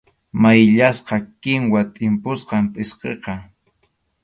Mayllasqa kinwa tʼimpusqam pʼsqiqa.